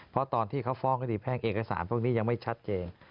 เพราะตอนที่เขาฟ้องคดีแพ่งเอกสารพวกนี้ยังไม่ชัดเจน